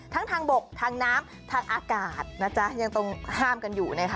ทางบกทางน้ำทางอากาศนะจ๊ะยังต้องห้ามกันอยู่นะคะ